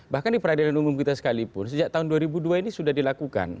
bahkan di peradilan umum kita sekalipun sejak tahun dua ribu dua ini sudah dilakukan